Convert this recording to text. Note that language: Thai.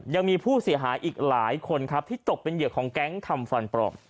ยังมีผู้เสียหายอีกหลายคนครับที่ตกเป็นเหยื่อของแก๊งทำฟันปลอม